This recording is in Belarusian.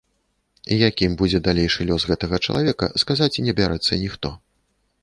Якім будзе далейшы лёс гэтага чалавека, сказаць не бярэцца ніхто.